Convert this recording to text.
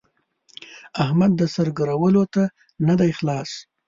احمد د سر ګرولو ته نه دی خلاص.